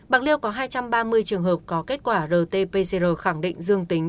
bạc liêu có hai trăm ba mươi trường hợp có kết quả rt pcr khẳng định dương tính